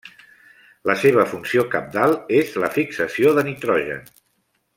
La seva funció cabdal és la fixació de nitrogen.